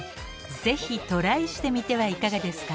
ぜひトライしてみてはいかがですか？